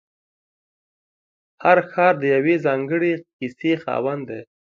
هر ښار د یوې ځانګړې کیسې خاوند دی.